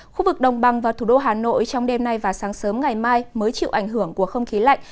khu vực đồng bằng và thủ đô hà nội trong đêm nay và sáng sớm ngày mai mới chịu ảnh hưởng của không khí lạnh